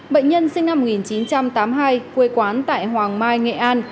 bệnh nhân sinh năm một nghìn chín trăm tám mươi hai quê quán tại hoàng mai nghệ an